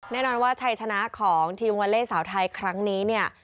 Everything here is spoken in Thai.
แน่นอนว่าชัยชนะของทีมวอเล่สาวไทยครั้งนี้เนี่ย